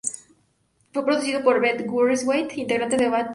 Fue producido por Brett Gurewitz, integrante de Bad Religion.